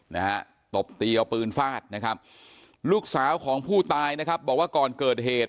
นะฮะตบตีเอาปืนฟาดนะครับลูกสาวของผู้ตายนะครับบอกว่าก่อนเกิดเหตุ